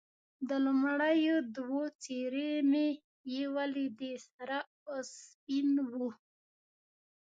د لومړیو دوو څېرې مې یې ولیدې، سره او سپین.